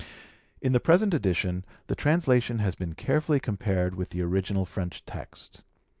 In the present edition the translation has been carefully compared with the original French text.